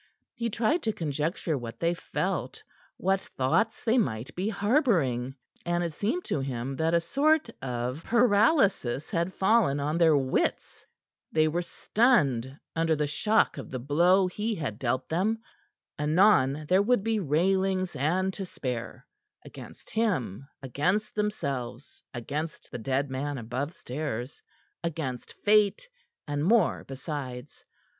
He tried to conjecture what they felt, what thoughts they might be harboring. And it seemed to him that a sort of paralysis had fallen on their wits. They were stunned under the shock of the blow he had dealt them. Anon there would be railings and to spare against him, against themselves, against the dead man above stairs, against Fate, and more besides.